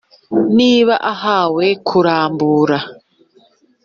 Niba ahawe kurambura.